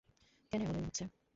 কেন এমন মনে হচ্ছে?